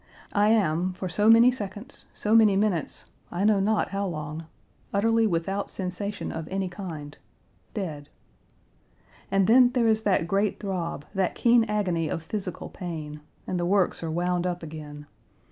I am, for so many seconds, so many minutes, I know not how long, utterly without sensation of any kind dead; and then, there is that great throb, that keen agony of physical pain, and the works are wound up again.